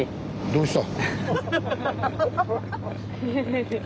どうした？